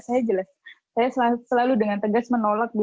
saya jelas saya selalu dengan tegas menolak